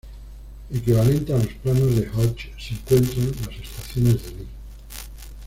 Equivalente a los Planos de Hodge se encuentran las Estaciones de Lee.